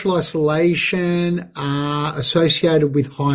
hal seperti depresi kemarahan